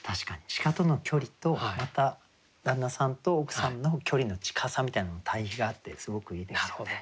鹿との距離とまた旦那さんと奥さんの距離の近さみたいな対比があってすごくいいですよね。